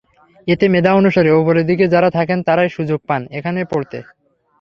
এতে মেধা অনুসারে ওপরের দিকে যাঁরা থাকেন, তাঁরাই সুযোগ পান এখানে পড়তে।